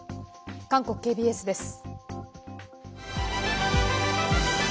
韓国ＫＢＳです。